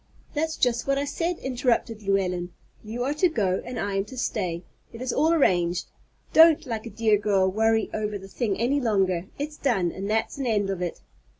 "That's just what I said," interrupted Llewellyn; "you are to go and I am to stay. It is all arranged. Don't, like a dear girl, worry over the thing any longer. It's done, and that's an end of it."